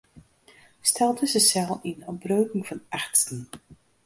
Stel dizze sel yn op breuken fan achtsten.